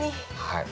はい。